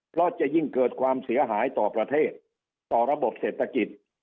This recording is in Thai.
เพราะจะยิ่งเกิดความเสียหายต่อประเทศต่อระบบเศรษฐกิจ